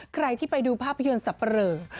ใครที่ไปดูภาพยนตร์สับปะเรอ